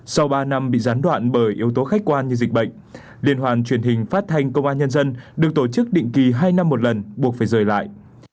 sau ba năm bị gián đoạn bởi yếu tố khách quan như dịch bệnh liên hoàn truyền hình phát thanh công an nhân dân được tổ chức định kỳ hai năm một lần buộc phải rời lại